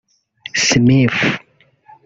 Smith